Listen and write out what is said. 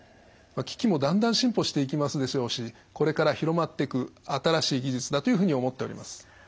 機器もだんだん進歩していきますでしょうしこれから広まっていく新しい技術だというふうに思っております。